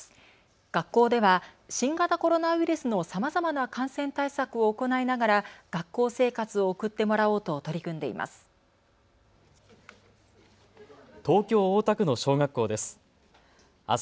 学校では新型コロナウイルスのさまざまな感染対策を行いながら学校生活を送ってもらおうと取り組んでいます。